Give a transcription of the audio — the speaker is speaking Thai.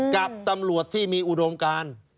กับตำรวจที่มีอุดมการ